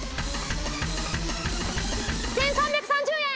１，３３０円！